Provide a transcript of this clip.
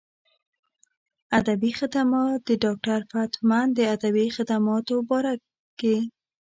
ادبي خدمات د ډاکټر فتح مند د ادبي خدماتو باره کښې